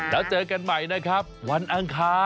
แล้วเจอกันใหม่นะครับวันอังคาร